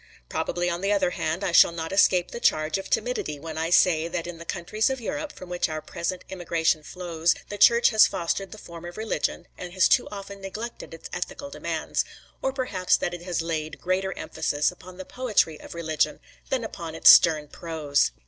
Probably on the other hand I shall not escape the charge of timidity when I say that in the countries in Europe from which our present immigration flows the Church has fostered the form of religion and has too often neglected its ethical demands; or perhaps that it has laid greater emphasis upon the poetry of religion than upon its stern prose.